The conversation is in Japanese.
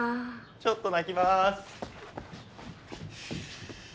ちょっと泣きまーす。